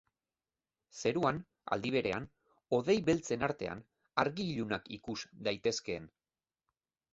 Zeruan, aldi berean, hodei beltzen artean, argi-ilunak ikus daitezkeen.